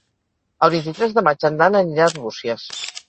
El vint-i-tres de maig en Dan anirà a Arbúcies.